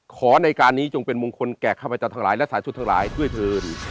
ขอในการนี้จงเป็นมงคลแก่ข้ามพระจันทร์ทางหลายและสาธารณ์ชุดทางหลายด้วยเธอ